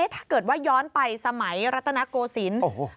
ถ้าเกิดว่าย้อนไปสมัยรัฐนกษิตร